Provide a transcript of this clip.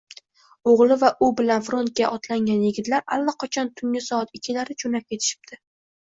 Oʻgʻli va u bilan frontga otlangan yigitlar allaqachon, tungi soat ikkilarda joʻnab ketishibdi.